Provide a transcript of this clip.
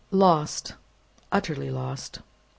Lost, utterly lost!